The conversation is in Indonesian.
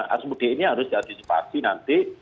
arus mudik ini harus diantisipasi nanti